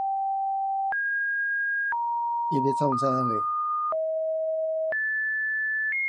陳俊秀